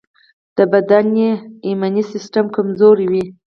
بدن یې ایمني سيستم کمزوری وي.